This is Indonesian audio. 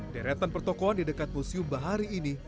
deretan pertokohan di dekat museum bahari ini